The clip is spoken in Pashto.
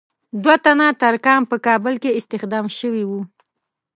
دوه تنه ترکان په کابل کې استخدام شوي وو.